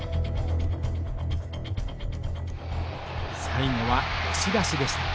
最後は押し出しでした。